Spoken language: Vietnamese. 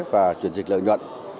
và chuyển dịch lợi nhuận